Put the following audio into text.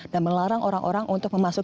dan melarang orang orang untuk memasuki